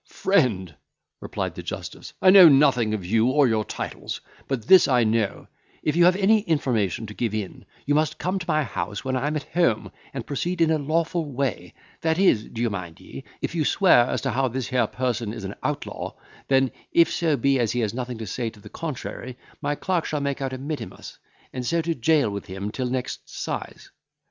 "Friend," replied the justice, "I know nothing of you or your titles; but this I know, if you have any information to give in, you must come to my house when I am at home, and proceed in a lawful way, that is, d'ye mind me, if you swear as how this here person is an outlaw; then if so be as he has nothing to say to the contrary, my clerk shall make out a mittimus, and so to jail with him till next 'size."